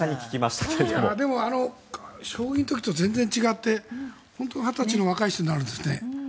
だけど将棋の時と全然違って２０歳の若い人になるんですね。